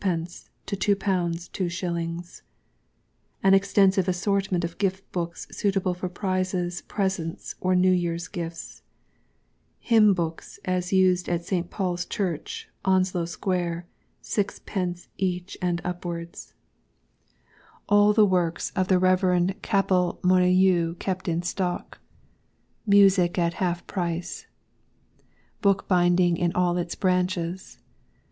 to ┬Ż2 2s. An Extensive Assortment of Gift Books suitable for Prizes, Presents, or New YearŌĆÖs Gifts. Hymn Books, as used at St. PaulŌĆÖs Church, Onslow sq. 6d. each and upwards All the Works of the Rev. Capel Molyneux kept in stock. MUSIC AT HALF PRICE. BOOKBINDING IN ALL ITS BRANCHES.